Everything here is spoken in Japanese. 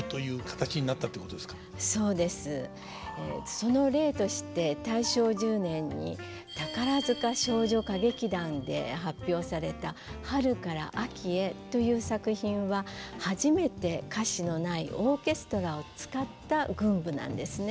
その例として大正１０年に宝塚少女歌劇団で発表された「春から秋へ」という作品は初めて歌詞のないオーケストラを使った群舞なんですね。